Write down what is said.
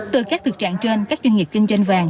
từ các thực trạng trên các doanh nghiệp kinh doanh vàng